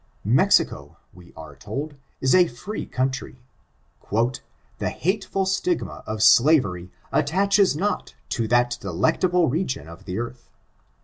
Mexico, we are told, is a free country ;" the hateful stigma of slavery attaches not to that delectable re gion of the earth."